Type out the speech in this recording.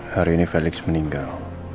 hari ini felix meninggal